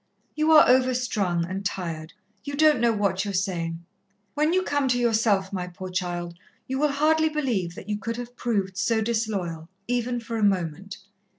"You are overstrung, and tired; you don't know what you are saying. When you come to yourself, my poor child, you will hardly believe that you could have proved so disloyal, even for a moment."